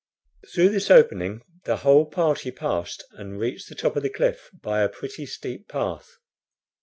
Through this opening the whole party passed and reached the top of the cliff by a pretty steep path.